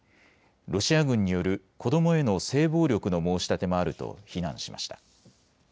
ロシア軍による子どもへの性暴力の申し立てもあると非難しました。